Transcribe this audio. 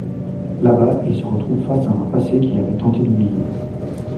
Là-bas, il se retrouve face à un passé qu'il avait tenté d'oublier.